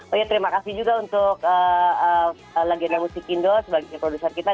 oh ya terima kasih juga untuk legenda musik indo sebagai produser kita